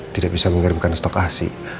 tidak bisa mengirimkan stok asi